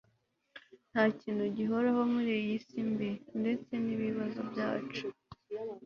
nta kintu gihoraho muri iyi si mbi, ndetse n'ibibazo byacu